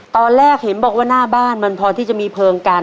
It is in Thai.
ตอนแรกเห็นบอกว่าหน้าบ้านมันพอที่จะมีเพลิงกัน